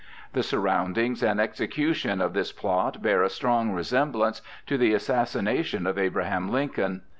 The surroundings and execution of this plot bear a strong resemblance to the assassination of Abraham Lincoln.